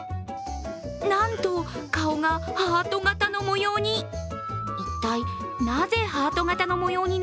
なんと顔がハート形の模様に。